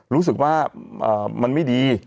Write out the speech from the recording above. รู้สึกว่ามันไม่ดี